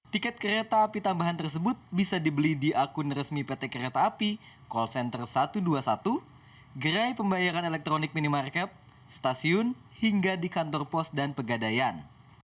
tiket kereta api tambahan tersebut bisa dibeli di akun resmi pt kereta api call center satu ratus dua puluh satu gerai pembayaran elektronik minimarket stasiun hingga di kantor pos dan pegadaian